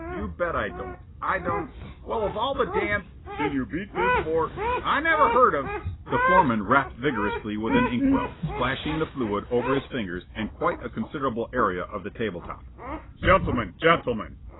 You bet I don't. I don't " "Well, of all the damned " "Can you beat this for " "I've heard a lot of " The foreman rapped vigorously with an inkwell, splashing the fluid over his fingers and quite a considerable area of table top. "Gentlemen! Gentlemen!